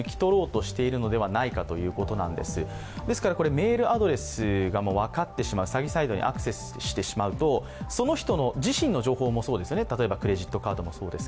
メールアドレスが分かってしまう、詐欺サイトにアクセスしてしまうとその人自身の情報もそうです、例えばクレジットカードもそうです。